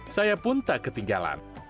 saya pun tak ketinggalan